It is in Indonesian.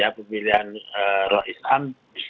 pemilihan rois am